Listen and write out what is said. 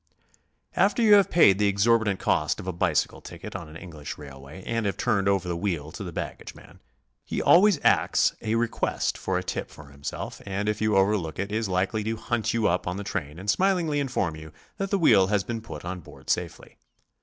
After you have paid the exorbitant cost of a bicycle ticket on an English railway and have turned over the wdieel to the baggage man, he always acts a request for a tip for himself, and if you overlook it, is likely to hunt you up in the train and smilingly inform you that the wheel has been put on board safe'ly.